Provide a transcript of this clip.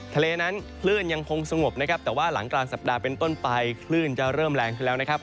ทะเลนั้นคลื่นยังคงสงบนะครับแต่ว่าหลังกลางสัปดาห์เป็นต้นไปคลื่นจะเริ่มแรงขึ้นแล้วนะครับ